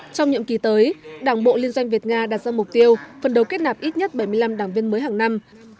trong nhiệm kỳ tới đảng bộ liên doanh việt nga đặt ra mục tiêu phần đầu kết nạp ít nhất bảy mươi năm đảng viên mới hàng năm